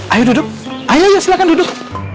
ayo duduk ayo silahkan duduk